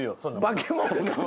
「化け物か」。